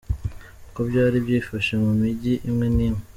Uko byari byifashe mu mijyi imwe n’imwe.